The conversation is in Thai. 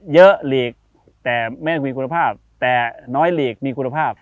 หลีกแต่ไม่มีคุณภาพแต่น้อยหลีกมีคุณภาพ